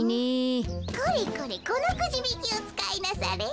これこれこのくじびきをつかいなされ。